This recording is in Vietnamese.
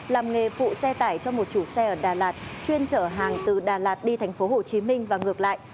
làm nghề phụ xe tải cho một chủ xe ở đà lạt chuyên chở hàng từ đà lạt đi tp hồ chí minh và ngược lại